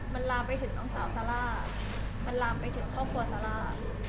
มันลามไปถึงน้องสาวซาร่ามันลามไปถึงครอบครัวซาร่า